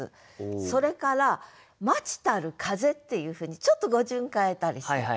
それから「待ちたる風」っていうふうにちょっと語順変えたりしてる。